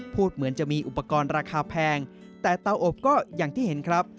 พูดเหมือนจะมีอุปกรณ์ราคาแพงแต่เตาอบก็อย่างที่เห็นครับ